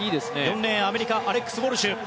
４レーン、アメリカのアレックス・ウォルシュ。